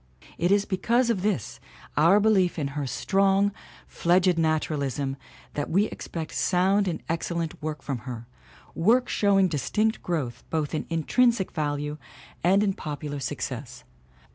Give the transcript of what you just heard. It is because of this our belief in her strong, fledged naturalism that we expect sound and excellent work from her, work showing dis tinct growth both in intrinsic value and in popular success.